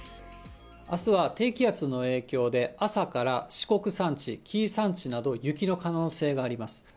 あすは低気圧の影響で、朝から四国山地、紀伊山地など、雪の可能性があります。